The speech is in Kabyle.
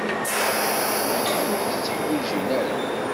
Ur k-tteḥwijin ara.